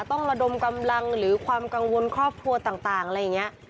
ต้องระดมกำลังหรือความกังวลครอบครัวต่างอะไรอย่างนี้